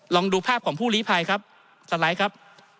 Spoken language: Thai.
ลองดูภาพของผู้ลีภัยครับสไลด์ครับ